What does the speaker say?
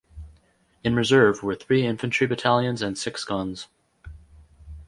In reserve were three infantry battalions and six guns.